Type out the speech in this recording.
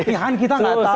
ya kan kita nggak tahu